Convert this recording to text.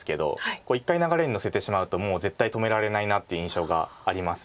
一回流れに乗せてしまうともう絶対止められないなっていう印象があります。